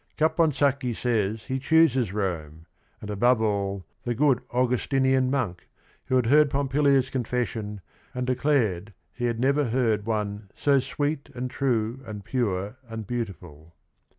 Caponsacchi says he chooses Rome, and above all the good Augustinian monk, who had heard Pompilia's confession, and had declared he had never heard one, "so sweet and true and pure and beauti ful."